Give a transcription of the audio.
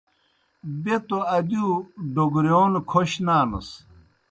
بیْہ توْ ادِیؤ ڈوگرِیون کھوش نانَس۔